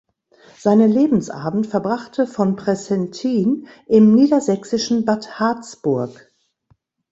Seinen Lebensabend verbrachte von Pressentin im niedersächsischen Bad Harzburg.